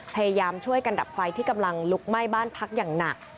พยายามช่วยกันดับไฟที่กำลังลุกไหม้บ้านพักอย่างหนัก